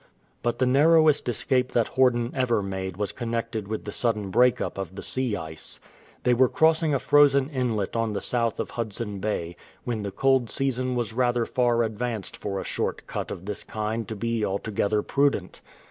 "*' But the narrowest escape that Horden ever made was connected with the sudden break up of the sea ice. They were crossing a frozen inlet on the south of Hudson Bay, when the cold season was rather far advanced for a short cut of this kind to be altogether prudent.